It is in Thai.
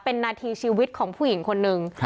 เป็นนาทีชีวิตของผู้หญิงคนนึง